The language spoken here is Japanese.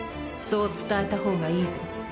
そう伝えた方がいいぞ。